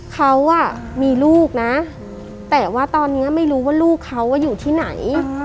เขามีลูกนะแต่ว่าตอนนี้ไม่รู้ว่าลูกเขาอยู่ที่ไหน